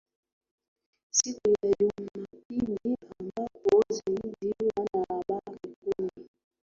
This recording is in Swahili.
siku ya jumapili ambapo zaidi wanahabari kumi